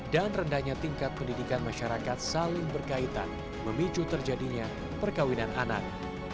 dan rendahnya tingkat pendidikan masyarakat saling berkaitan memicu terjadinya perkawinan anak